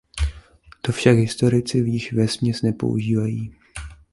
To však historici již vesměs nepoužívají.